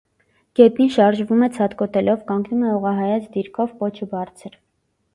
Գետնին շարժվում է ցատկոտելով, կանգնում է ուղղահայաց դիրքով՝ պոչը բարձր։